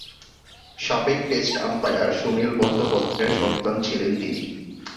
সাবেক test umpire Sunil বন্দ্যোপাধ্যায়ের সন্তান ছিলেন তিনি।